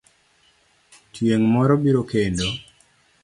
Tieng' moro biro kendo.